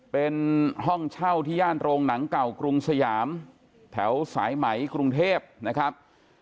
เป็นห้องเช่าที่ย่านโรงหนังเก่ากรุงสยามแถวสายไหมกรุงเทพนะครับ